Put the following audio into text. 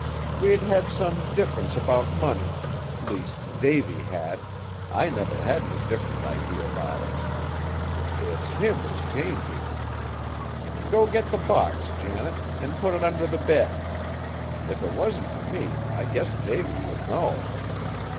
We'd had some difference 'bout money; least, Davy had, I never have any different idee about it. It's him as changes. Go get the box, Janet, an' put it under the bed. If it wasn't fur me, I guess Davy would know!"